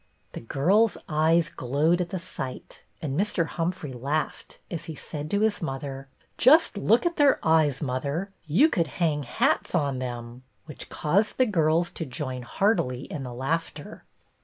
The girls' eyes glowed at the sight, and Mr. Humphrey laughed as he said to his mother, — "Just look at their eyes, mother. You could hang hats on them," which caused the girls to join heartily in the laughter.